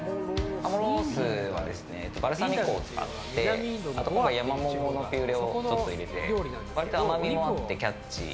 鴨ロースはバルサミコを使ってヤマモモのピューレをちょっと入れて割と甘みもあってキャッチー。